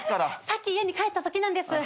さっき家に帰ったときなんです。